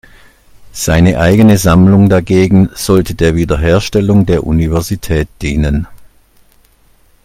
Seine eigene Sammlung dagegen sollte der Wiederherstellung der Universität dienen.